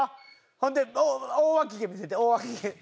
ほんで大わき毛見せて大わき毛。